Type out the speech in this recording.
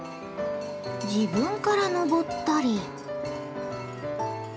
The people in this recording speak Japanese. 自分からのぼったり。